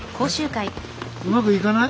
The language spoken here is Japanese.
うまくいかない？